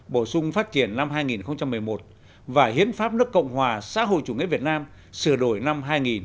bổ sung phát triển năm hai nghìn một mươi một và hiến pháp nước cộng hòa xã hội chủ nghĩa việt nam sửa đổi năm hai nghìn một mươi ba